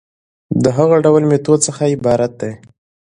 د هغه ډول ميتود څخه عبارت دي